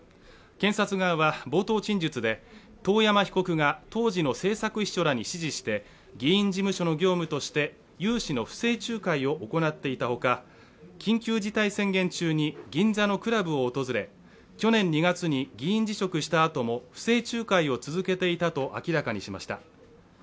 検察側は冒頭陳述で遠山被告が当時の政策秘書らに指示して議員事務所の業務として融資の不正仲介を行っていたほか、緊急事態宣言中に銀座のクラブを訪れ去年２月に議員辞職したあとも不正仲介を続けていたと明らかにしました。